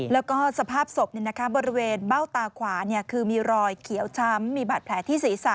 แล้วก็สภาพศพบริเวณเบ้าตาขวาคือมีรอยเขียวช้ำมีบาดแผลที่ศีรษะ